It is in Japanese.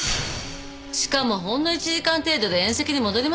しかもほんの１時間程度で宴席に戻りましたよね？